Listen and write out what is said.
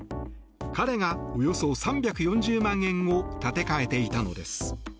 彼がおよそ３４０万円を立て替えていたのです。